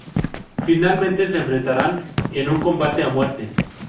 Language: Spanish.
Finalmente se enfrentarán en un combate a muerte.